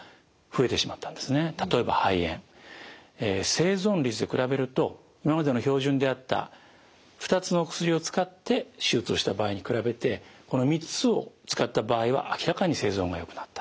生存率で比べると今までの標準であった２つの薬を使って手術をした場合に比べてこの３つを使った場合は明らかに生存がよくなった。